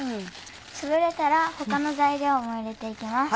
つぶれたら他の材料も入れていきます。